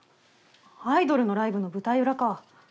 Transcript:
アイドルのライブの舞台裏か。